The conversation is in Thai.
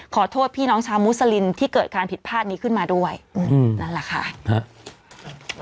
ขอโทษพี่น้องชาวมุสลิมที่เกิดการผิดพลาดนี้ขึ้นมาด้วยอืมนั่นแหละค่ะ